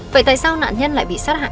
vậy tại sao nạn nhân lại bị sát hại